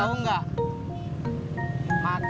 jadi gue mau palsu